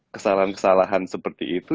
kesalahan kesalahan seperti itu